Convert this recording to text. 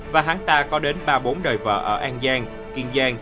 và hắn ta có đến ba bốn đời vợ ở an giang